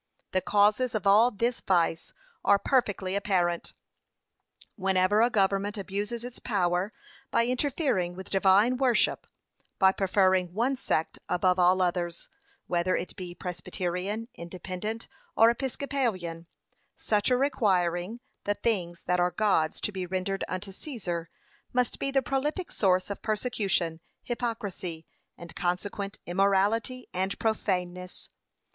The causes of all this vice are perfectly apparent. Whenever a government abuses its powers by interfering with divine worship by preferring one sect above all others; whether it be Presbyterian, Independent, or Episcopalian such a requiring the things that are God's to be rendered unto Caesar, must be the prolific source of persecution, hypocrisy, and consequent immorality and profaneness.